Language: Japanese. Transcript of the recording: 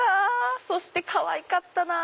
そしてかわいかったなぁ。